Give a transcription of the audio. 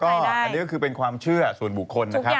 อันนี้ก็คือเป็นความเชื่อส่วนบุคคลนะครับ